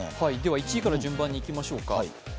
１位から順番に行きましょうか。